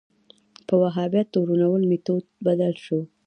په وهابیت تورنول میتود بدل شو